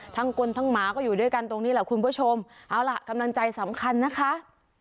คนทั้งหมาก็อยู่ด้วยกันตรงนี้แหละคุณผู้ชมเอาล่ะกำลังใจสำคัญนะคะ